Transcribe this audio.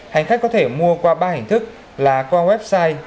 hành khách có thể mua qua ba hình thức là qua website